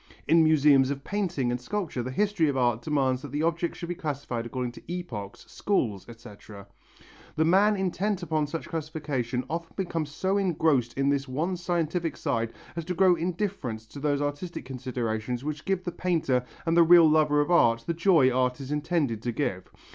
In museums of painting and sculpture the history of art demands that the objects should be classified according to epochs, schools, etc. The man intent upon such classification often becomes so engrossed in this one scientific side as to grow indifferent to those artistic considerations which give the painter and the real lover of art the joy art is intended to give.